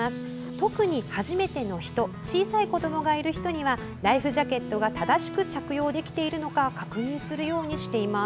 特に初めての人小さい子どもがいる人にはライフジャケットが正しく着用できているのか確認するようにしています。